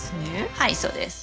はいそうです。